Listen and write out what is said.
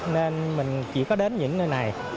nên mình chỉ có đến những nơi này